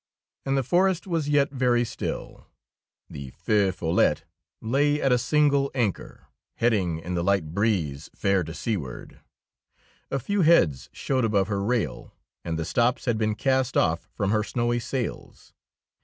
And the forest was yet very still. The Feu Follette lay at a single anchor, heading in the light breeze fair to seaward; a few heads showed above her rail, and the stops had been cast off from her snowy sails.